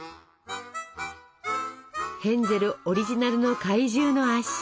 ヘンゼルオリジナルの怪獣の足。